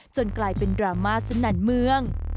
กลายเป็นดราม่าสนั่นเมือง